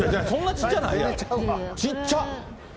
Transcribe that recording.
ちっちゃ。